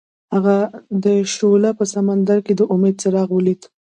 هغه د شعله په سمندر کې د امید څراغ ولید.